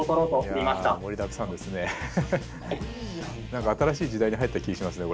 何か新しい時代に入った気しますね。